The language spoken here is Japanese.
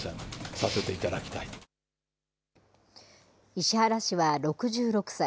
石原氏は６６歳。